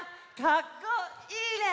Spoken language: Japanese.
かっこいいね！